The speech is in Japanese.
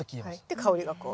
で香りがこうね。